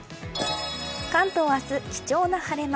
関東は明日、貴重な晴れ間。